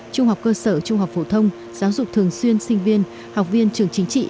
trung học cơ sở trung học phổ thông giáo dục thường xuyên sinh viên học viên trường chính trị